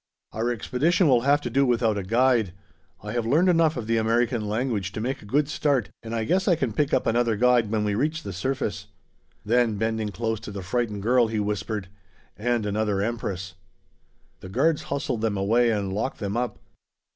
"Our expedition will have to do without a guide. I have learned enough of the American language to make a good start, and I guess I can pick up another guide when we reach the surface." Then, bending close to the frightened girl, he whispered, "And another Empress." The guards hustled them away and locked them up.